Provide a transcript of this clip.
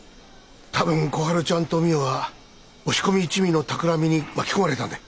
多分小春ちゃんとお美代は押し込み一味の企みに巻き込まれたんだ。